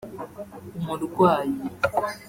umurwayi